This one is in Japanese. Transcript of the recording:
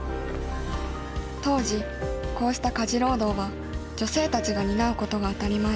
当時こうした家事労働は女性たちが担うことが当たり前。